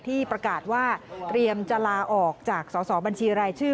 ที่ประกาศว่าเตรียมจะลาออกจากสอสอบัญชีรายชื่อ